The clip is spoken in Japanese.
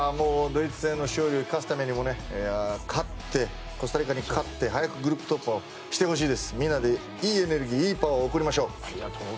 ドイツ戦の勝利を生かすためにもコスタリカに勝って早くグループ突破をみんなで、いいエネルギーいいパワーを送りましょう。